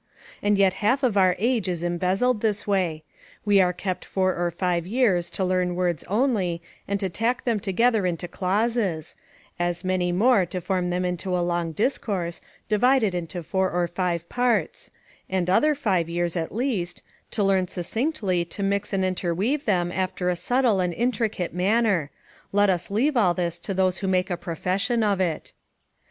And yet half of our age is embezzled this way: we are kept four or five years to learn words only, and to tack them together into clauses; as many more to form them into a long discourse, divided into four or five parts; and other five years, at least, to learn succinctly to mix and interweave them after a subtle and intricate manner let us leave all this to those who make a profession of it.